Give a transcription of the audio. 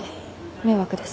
迷惑です。